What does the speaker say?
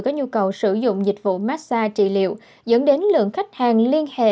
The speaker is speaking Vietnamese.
có nhu cầu sử dụng dịch vụ massage trị liệu dẫn đến lượng khách hàng liên hệ